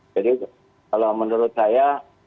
jadi kalau menurut saya